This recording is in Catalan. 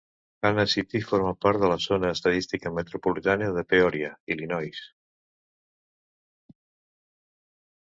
Hanna City forma part de la zona estadística metropolitana de Peoria, Illinois.